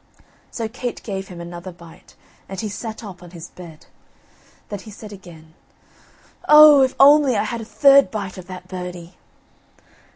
so Kate gave him another bite, and he sat up on his bed. Then he said again: "Oh! if I only had a third bite of that birdie!"